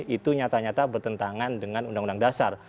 itu nyata nyata bertentangan dengan undang undang dasar